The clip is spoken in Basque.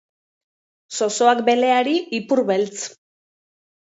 Zozoak beleari ipurbeltz!